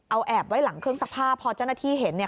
เอาแอบไว้หลังเครื่องซักผ้าพอเจ้าหน้าที่เห็นเนี่ย